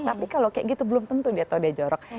tapi kalau kayak gitu belum tentu dia tahu dia jorok